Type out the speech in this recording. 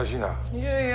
いやいや。